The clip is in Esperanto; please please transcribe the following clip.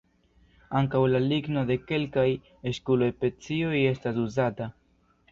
Ankaŭ la ligno de kelkaj "eskulo"-specioj estas uzata.